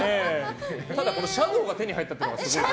ただ、シャドーが手に入ったってことがすごい。